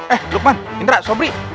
eh lukman indra sobri